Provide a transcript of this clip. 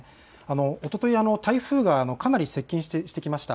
おととい台風がかなり接近してきました。